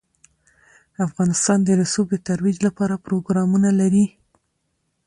افغانستان د رسوب د ترویج لپاره پروګرامونه لري.